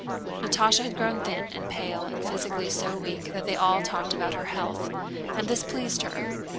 Natásha had grown thin and pale and physically so weak that they all talked about her health, and this pleased her.